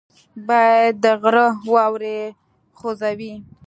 باد د غره واورې خوځوي